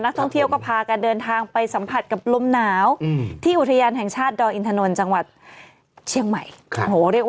ลงเหลือ๗องศาเซลเซียสสมุดนี้โอโหเยี่ยมเลย